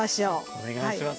お願いします。